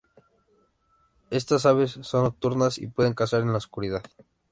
Estas aves son nocturnas, y pueden cazar en la oscuridad.